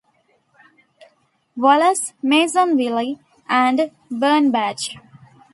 Wallace, Mason Wiley, and Birnbach.